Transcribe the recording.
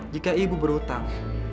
jika ibu berhutang